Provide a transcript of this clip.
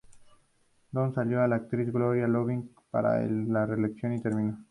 Don salió con la actriz Gloria Loring, pero la relación terminó.